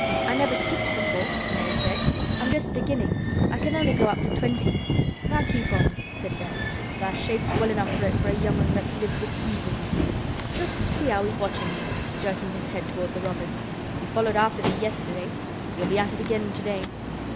"I never skipped before," Mary said. "I'm just beginning. I can only go up to twenty." "Tha' keep on," said Ben. "Tha' shapes well enough at it for a young 'un that's lived with heathen. Just see how he's watchin' thee," jerking his head toward the robin. "He followed after thee yesterday. He'll be at it again today.